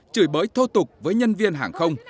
chửi bới thô tục với nhân viên hàng không